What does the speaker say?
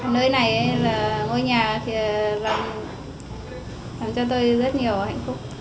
nơi này là ngôi nhà thì làm cho tôi rất nhiều hạnh phúc